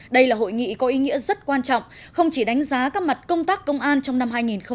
đây là hội nghị có ý nghĩa rất quan trọng không chỉ đánh giá các mặt công tác công an trong năm hai nghìn hai mươi ba